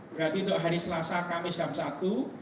berarti untuk hari selasa kamis dan sabtu